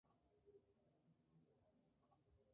Casablanca-Settat se encuentra en la costa atlántica.